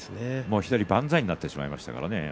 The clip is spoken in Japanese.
１人、万歳になってしまいましたね。